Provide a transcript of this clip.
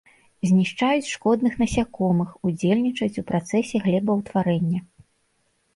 Знішчаюць шкодных насякомых, удзельнічаюць у працэсе глебаўтварэння.